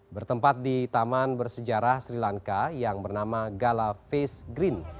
bertempat di taman bersejarah sri lanka yang bernama gala face green